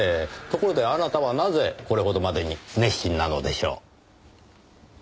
ところであなたはなぜこれほどまでに熱心なのでしょう？